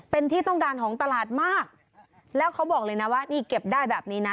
เป็นที่ต้องการของตลาดมากแล้วเขาบอกเลยนะว่านี่เก็บได้แบบนี้นะ